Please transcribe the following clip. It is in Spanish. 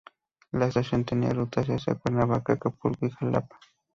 La estación tenía rutas hacía Cuernavaca, Acapulco y Xalapa.